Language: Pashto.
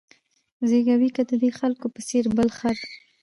زېږوې که د دې خلکو په څېر بل خر